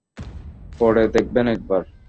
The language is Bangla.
পড়ে দেখবেন একবার।